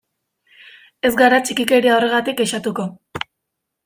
Ez gara txikikeria horregatik kexatuko.